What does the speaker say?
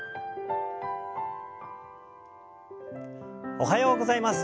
おはようございます。